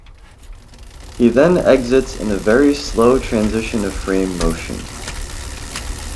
He then exits in a very slow-transition-of-frame motion.